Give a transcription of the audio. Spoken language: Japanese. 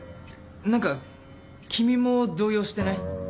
何か君も動揺してない？